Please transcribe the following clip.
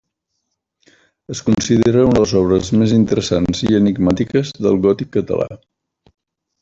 Es considera una de les obres més interessants i enigmàtiques del gòtic català.